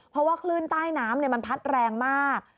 เพราะว่าคลื่นใต้น้ำมันพัดแรงมาก